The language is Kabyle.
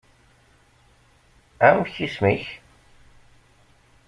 Amek isem-k?